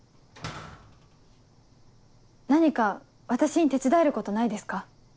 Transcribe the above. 何か私に手伝えることないですか？